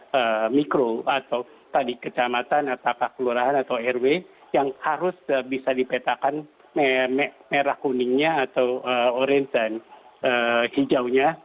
kemudian kecamatan atau kelurahan atau airway yang harus bisa dipetakan merah kuningnya atau orange dan hijaunya